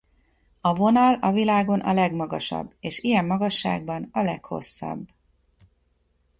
A vonal a világon a legmagasabb és ilyen magasságban a leghosszabb.